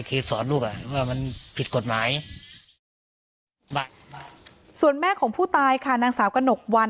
คือสอนลูกอ่ะว่ามันผิดกฎหมายส่วนแม่ของผู้ตายค่ะนางสาวกระหนกวัน